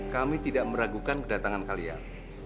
kami tidak meragukan kedatangan kalian